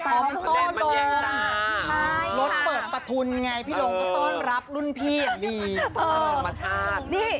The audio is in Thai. รถเปิดประทุนไงพี่รงก็ต้นรับรุ่นพี่อย่างดี